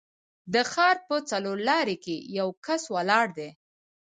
د ښار په څلورلارې کې یو کس ولاړ دی.